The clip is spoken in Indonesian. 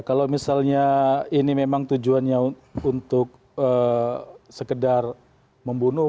kalau misalnya ini memang tujuannya untuk sekedar membunuh